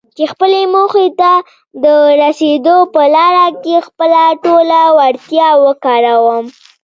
چې خپلې موخې ته د رسېدو په لاره کې خپله ټوله وړتيا وکاروم.